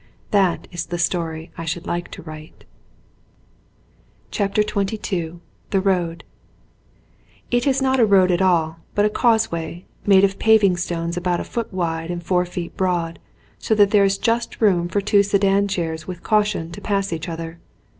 That is the story I should like to write. 84 XXII THE ROAD IT is not a road at all but a causeway, made of paving stones about a foot wide and four feet broad so that there is just room for two sedan chairs with caution to pass each other.